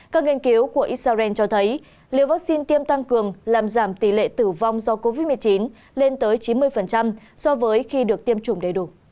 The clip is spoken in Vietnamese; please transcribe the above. các nghiên cứu của israel cho thấy liều vaccine tiêm tăng cường làm giảm tỷ lệ tử vong do covid một mươi chín lên tới chín mươi so với khi được tiêm chủng đầy đủ